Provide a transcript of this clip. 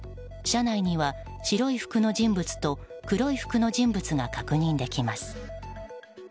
車内には白い服の人物と黒い服の人物が確認できます。